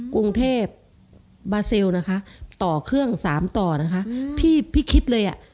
กรุงเทพบาเซลนะคะต่อเครื่องสามต่อนะคะพี่พี่คิดเลยอ่ะ